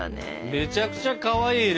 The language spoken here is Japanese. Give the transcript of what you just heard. めちゃくちゃかわいいね。